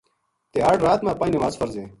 تہاڑ رات ما پنج نماز فرض ہیں۔